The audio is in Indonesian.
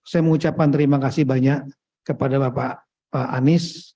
saya mengucapkan terima kasih banyak kepada bapak anies